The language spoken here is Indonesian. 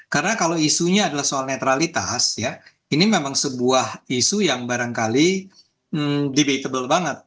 karena kalau isunya adalah soal netralitas ini memang sebuah isu yang barangkali debatable banget